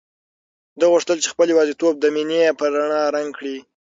ده غوښتل چې خپله یوازیتوب د مینې په رڼا رنګ کړي.